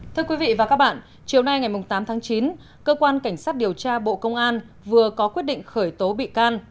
thưa quý vị và các bạn chiều nay ngày tám tháng chín cơ quan cảnh sát điều tra bộ công an vừa có quyết định khởi tố bị can